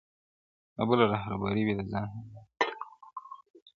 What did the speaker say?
د بل رهبر وي د ځان هینداره -